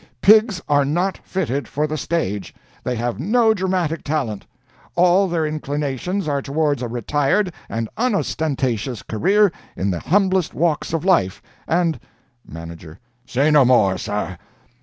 Pigs are not fitted for the stage; they have no dramatic talent; all their inclinations are toward a retired and unostentatious career in the humblest walks of life, and—" Manager—"Say no more, sir.